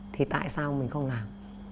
thì tại sao mình không làm